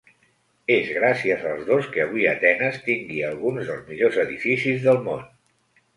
És gràcies als dos que avui Atenes tingui alguns dels millors edificis del món.